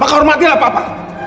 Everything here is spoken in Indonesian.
maka hormatilah papa